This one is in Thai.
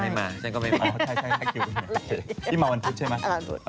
ไม่มาที่มันวันทูตใช่มั้ย